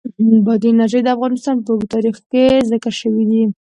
بادي انرژي د افغانستان په اوږده تاریخ کې ذکر شوی دی.